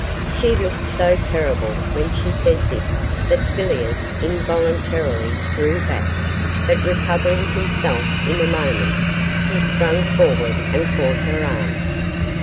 She looked so terrible when she said this that Villiers involuntarily drew back, but recovering himself in a moment, he sprang forward and caught her arm.